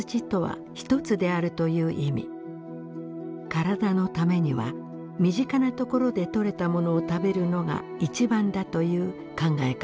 体のためには身近なところで取れたものを食べるのが一番だという考え方です。